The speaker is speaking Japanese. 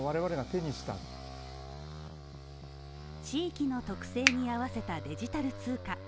地域の特性に合わせたデジタル通貨。